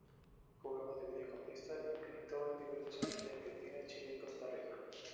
Jugaba de mediocampista y militó en diversos clubes de Argentina, Chile y Costa Rica.